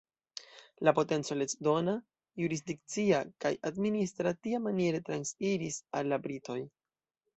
La potenco leĝdona, jurisdikcia kaj administra tiamaniere transiris al la britoj.